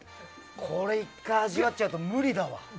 これ１回味わっちゃうと無理だわ！